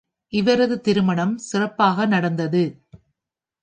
இவரது திருமணம் சிறப்பாக நடந்தது.